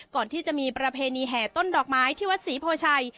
ก่อนที่จะมีประเพณีแห่ต้นดอกไม้ที่วัดศรีโพชัย